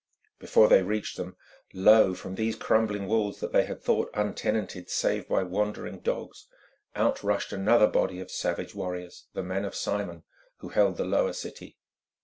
Before they reached them, lo! from these crumbling walls that they had thought untenanted save by wandering dogs, out rushed another body of savage warriors, the men of Simon who held the Lower City.